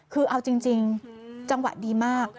คือเอาจริงจังหวะดีมาก